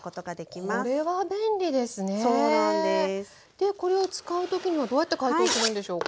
でこれを使う時にはどうやって解凍するんでしょうか？